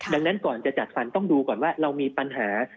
ดังนั้นก่อนจะจัดฟันต้องดูก่อนว่าเรามีปัญหา